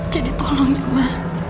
jadi tolong ya ma